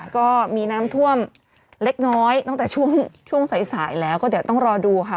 ก็มีน้ำท่วมเล็กน้อยตั้งแต่ช่วงสายสายแล้วก็เดี๋ยวต้องรอดูค่ะ